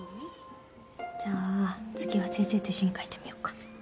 じゃあ次は先生と一緒に書いてみようか。